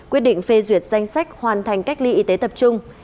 quyết định phê duyệt danh sách hoàn thành cách ly y tế tập trung